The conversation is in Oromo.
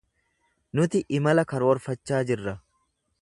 Nuti imala karoorfachaa jirra.